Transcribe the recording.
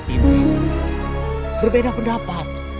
ini berbeda pendapat